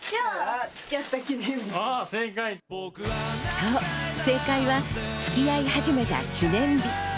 そう、正解は付き合い始めた記念日。